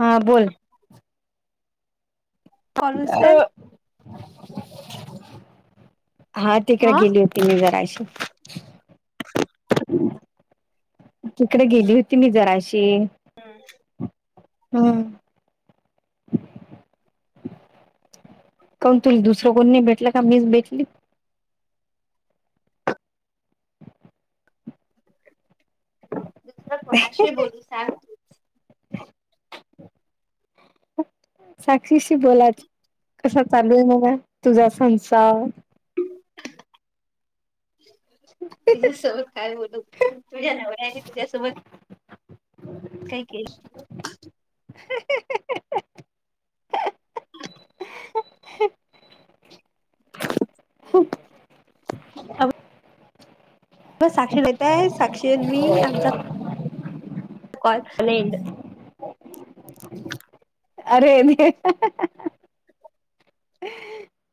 हा बोल कॉल उचलेल तर हा तिकडे अ गेली होती मी जराशी तिकडे गेली होती मी जराशी हम्म हम्म [unintelligible] कोण तुरी दुसरं कोण नाही भेटला का मीच भेटली कोणाशे बोलू स तू साक्षीशी्री बोलाच कस चालू आहे मला तुझा संसार तुझ्यासोबत काय बोलू तुझ्या नव्या तुझ्यासोबत काय केश [inaudible] [inaudible] साक्षीताय साक्षी मी आमचा कासलाड अरे न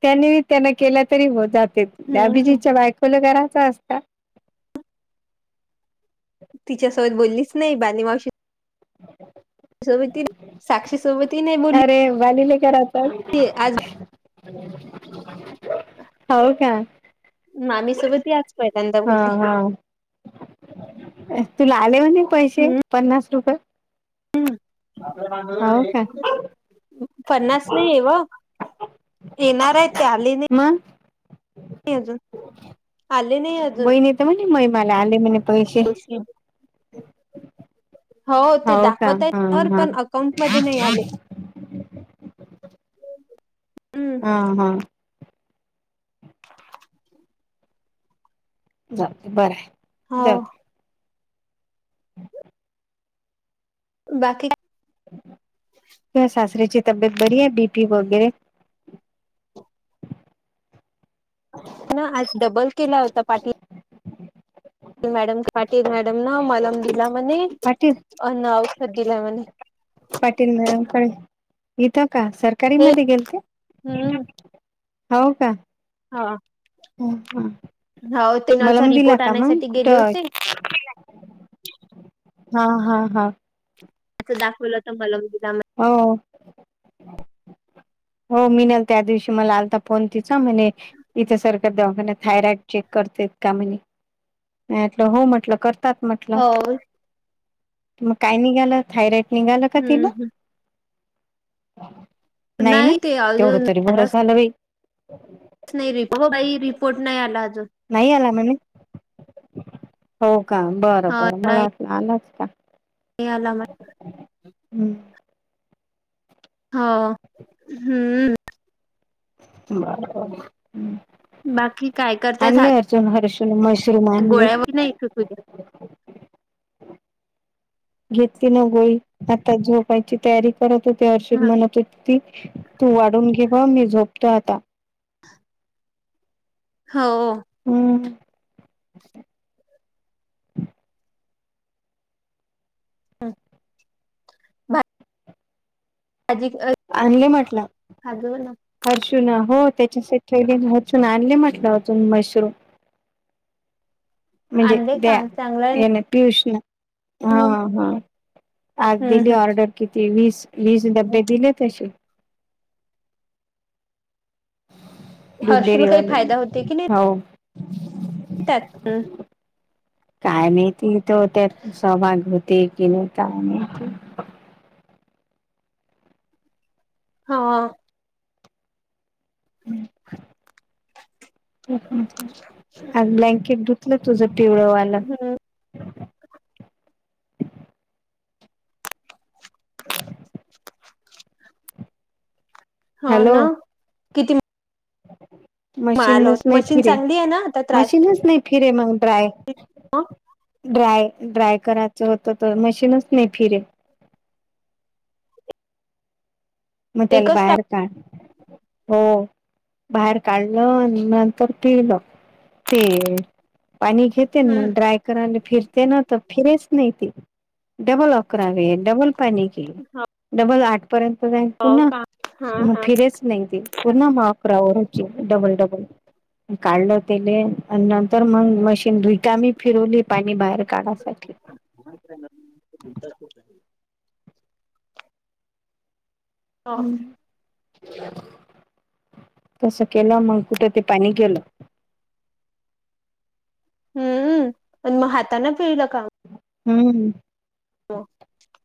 त्यांनी त्यांना केला तरी हो जात हम्म अभिजीच्या बायकोला कराच असत तिच्यासोबत बोललीच नाही बाणी मावशी ससेस अरे वालीले का आज राहतात [inaudible] हो का ना आमही सोबत आचतोय त्यांंदा बुधले तू आले हो पैसे पन्नास रुपये हम्म हो का पन्नास नाही ये येणारय ते आले मग नाही अजून आले नाही अजून म मला आले म तशी हो ते का दाखवत आहेत हा त्या हा पण अकाउंट मध्ये नाही आले हम हा हा बरं हो जाऊ दे बाकी त्या सासरीचीित तबेत बरी आहे बीपी वगैरे ना आज डबल केला होता पाठीील मॅडम पाटल मॅडम ना मलम दिला म्हणे पाटील अ्न औषध दिला म्हणे पाटील मॅडमकडे इथं का सरकारी हे मध्ये गेल ते हम्म हो का हा हो ते नलचा मलम दिला रिपोर्ट का मग आणायसाठी गेले कुठं होते हा हा हा आं दाखवलं तर मला ह हो मिल त्या दिवशी मला आलता फोन तिचा म्ह इथ सारखं दा थायरॉइड चेक कर काम होटल करत म्हट हो मग काय निघालंथायरॉइड, निघाला का तेन, हम्म नाही ना ते तेवढं अजून तरी बर आलाच झालं बाई, नाही रि बाई रिपोर्ट नाही आला, अजून नाही आला म्ह हो का बरं हो बर मला वाट आलाच, [unintelligible] नाही आलं, हम्म हा, हम्म, बाकी आणले अर्जुन हर्ष, गोळ्यावर नाही तू तू द्या, घेतली न गोळी, आता झोपायची तयारी करत होती हर्ष म्हणत होतेती. तू वाढून घेव मी झोपतो आता, हम्म हो, हम, भाजी अ, आणले म्हटलं काजू हर्षुना हो, त्याच्यासाठीे अचून आणले म्हटलं अजून मशरूम, म्हणजे आणले का चांगलं आहे त्या्या ना पियुष, हा हम्म हा आज दिली हम्म ऑर्डर किती वीस, वीज हम्म डबे दिले तसे, हर्षूला लुडेरीवा काही हो, त्याात हम, कायमती तो त्या, सभा घते कन कायमती, हा, ब्लँकेट धुतलं तुझ, पिवळवाला, [unintelligible] हा हॅलो ना किती, मिळालं होत मशीनच नाही, मशीन रे चांगली आहे ना आता त्रास मशीनच नाही, फिरे मग, ड्राय, नाही. हं, ड्राय ड्राय करायचं होत, तर मशीनच नाही फिरे, मग त्याला एकच टाक बाहेर काढ हो, बाहेर काढलं आणि नंतर पिलं ते, पाणी घेते हम्म मग ड्राय करायला, फिरते ना तर फिरेच नाही त, डबल अकरावे डबल पनी केली, डबल आठ पर्यंत, जाईल हो पुन्हा का हा हा फिरेच नाही, ते पुन्हा माकरावरची डबल, डबल, काढलं तेले आणि, नंतर मग मशीन रिकाामी फिरवली पाणी बाहेर, काढायसाठी, हा, [unintelligible] तसं केलं मग, कुठं ते पाणी गेलं. हम्म मग हाताना, पिळलं काम, हम्म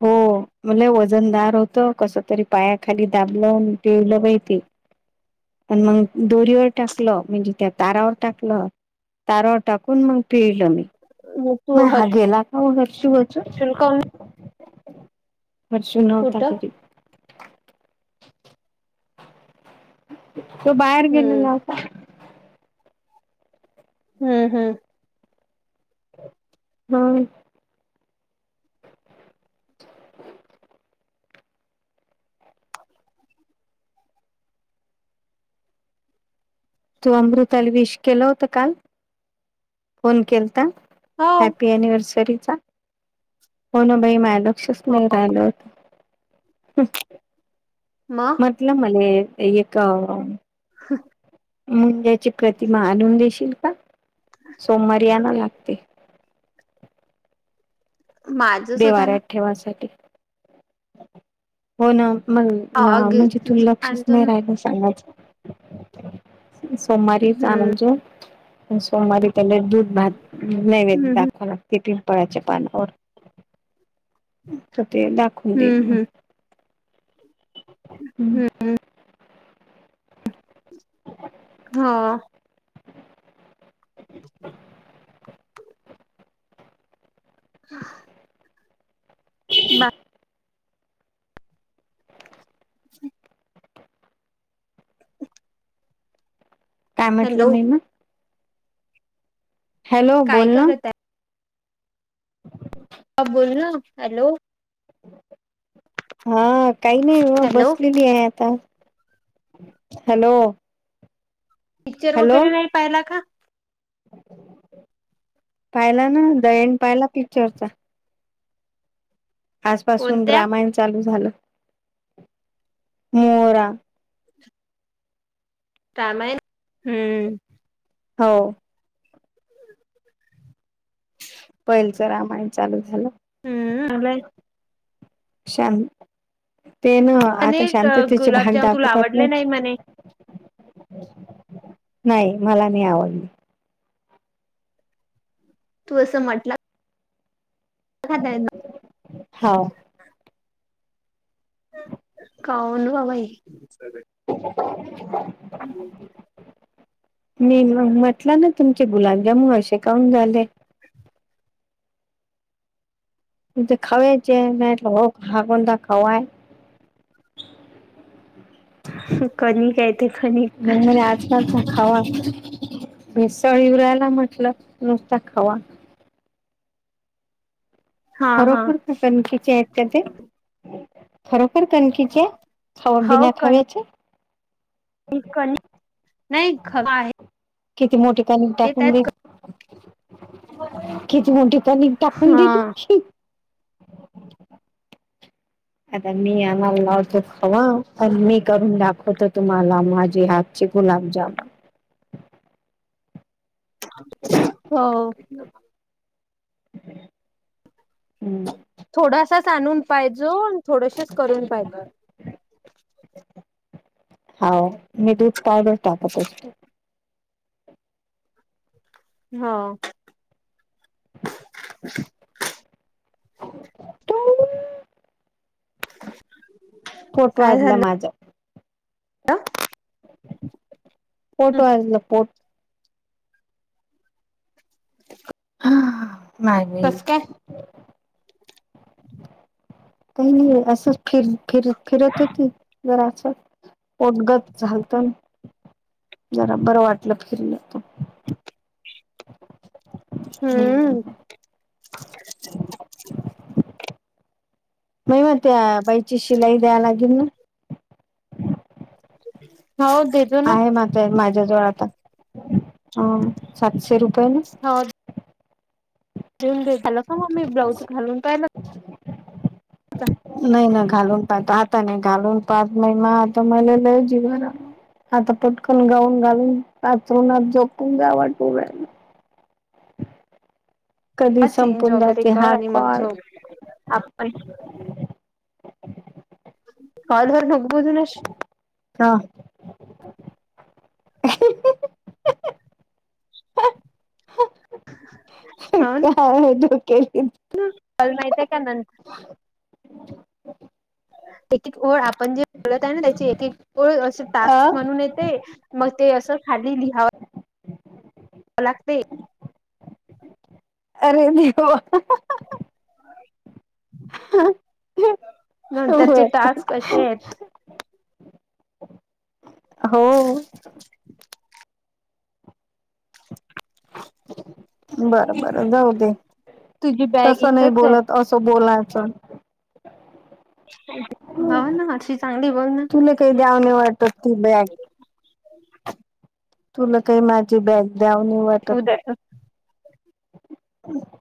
हो, म्हले वजनदार होत, कस तरी पायाखाली दाबलं आणि पिकल बाई ते. प मग दोरीवर टाकलं, म्हणजे त्या तारावर टाकलं. तारवर टाकून मग पिळलं मी, मग ह गेला का हर्ष, [unintelligible] वर्ष नवता कुठं घरी [unintelligible] तो बाहेर हम्म गेलेला होता. हम्म हम्म, हम्म तू अमृताला विश केलं होत काल फोन केलता हो हॅपी अनिव्हर्सरीचा हो ना बाई मिळाल हो नाही राहिलं होत मग म्हटलं मले एक का ह मुंज्याची प्रतिमा आणून देशील का सोमवारी आण [unintelligible] माझच होता ना देवाऱ्यात ठेवासाठी हो ना मग म्हणजे तू लक्षच नाही अजून राहील सांगायचं सोमवारीच हम्म आनजो सोमवारी पहिले दूध भात नैवेद्य हम्म दाखवाव लागते पिंपळाच्या पानावर अच्छ ते दाखवून देईन हम्म मग हम्म हम्म हो [inaudible] हा बा [inaudible] काय म्हटलं हॅलो मी न हॅलो काय बोल ना करत आहे हा, बोल ना हॅलो हा काही नाही हॅलो. बसलेली आहे आता हॅलो पिक्चर हॅलो वगैरे नाही पाहिला का पाहिला ना द एंड पाहिला पिक्चरचा आजपासून कोणत्या रामायण चालू झालं मोरा त्यामुळे हम्म हो पैलचं रामायण चालू झालं हम्म आ शाम ते ना हो आता म्हणे शांततेचे भाग गुलाबजाम तुला दाखवतात ना आवडले नाही म्हणे. नाही मला नाही आवडली तू असं म्हटलं का आहे ना हाव काऊन वावाई हम्म मी म्हटलं ना तुमचे गुलाबजामन असे काऊन झाले म्हज खावेचेे नाही म्हटलं हा कोणता खवाय सुख न काही तर म म्हणे आजकालचा खावा मसळी येऊन रायला म्हटलं नुसता खावा हा हा. खरोखर कणकीचे आहेत का ते खरोखर कनखीचे खऊ बीना खावेचे कणी नाही खवा आहे किती मोठी कणी टाकून दे त्यात किती मोठी कणीक टाकून हा दिली आता मी आणला लावतो खवा आणि मी करून दाखवते तुम्हाला माझी हातची ते गुलाबजाम [inaudible] हो हम्म थोडासाच आणून पाहिजो आणि थोडसच करून पाहिज हा मी दूध पावडर टाकत असतो हो टुंग. फोटो आला माझ ह फटवाला फट हा ह मॅग कस काय? काही नाही असं फिर फिर फिरत होती जरा पोटगत झालत जरा बरं वाटलं फिरीलं तो हम्म म म त्या बाईची शिलाई द्याय लागेल ना होौ देेतो ना ज सातशे रुपये ना घेऊन झालं का मग मी ब्लाऊज घालून पयला नाही ना घालून पाात आता नाही घालून पाहात नाही म आता मला लवजी ब हता पटकन गाऊन घालून कचरुून झोपून जा्यावाटवला कधी चेंज संपून वगैरे जाते कर हा आणि मग कोण झोप आपण [inaudible] हलवारण होगबोद न अश हां कायल ह कल माहिितय का नंत एक एक ओळ आपण जे बोलत आहे ना त्याची एक एक ओळ असे अ टास्क म्हणून येते मग ते असं खाल्ली लिहावा भ लागते अरे देव नंतरचे बर टास्क के आहेत. हो. बरं बरं जाऊ दे. तुझी बॅग तसं नाही इथच आहे बोलत असं बोलायचं. ह. तुला काही द्यावणे वाटत ती बॅग. ग तुला काही माझी बॅग द्याऊन वाटत. उद्या ढ.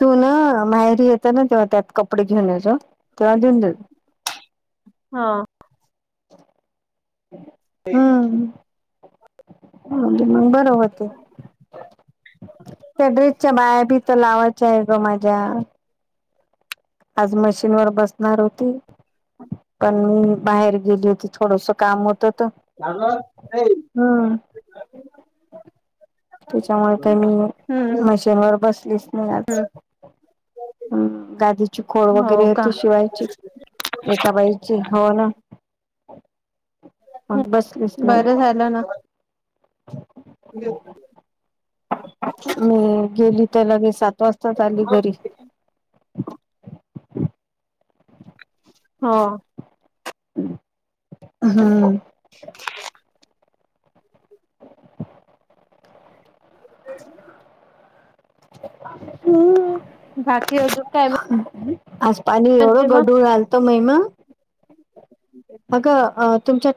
तू ना माहेरी येत ना तेव्हा त्यात कपडे घेऊनच तेव्हा देऊन देेत. हा. हम्मब. त्या ड्रेसच्या बाया बी तर लावायच्या. मजा. आज मशीनवरर बसणार होती पण मी बाहेर गेली होती थोडस. काम होत तर हम्म. त्याच्यामुळे का मी हम्म मशीनवरर बसलीच नाही आज. हम्म हम्म गादीची खोळ हो वगैरे का होते शिवायची. एका बाईची हो ना. ह बस बस नाही. बरं झालं ना त्यालागे सात वाजता आली घरी. हा. हा. ह. ग. बाकी जो का. आज पाणी एवढं गडून रालतो महिमा. अगं तुमच्या.